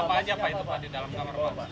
ada apa saja pak itu di dalam kamar